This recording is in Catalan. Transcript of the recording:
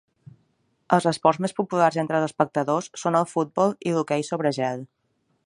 Els esports més populars entre els espectadors són el futbol i l'hoquei sobre gel.